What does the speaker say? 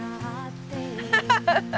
ハハハハ！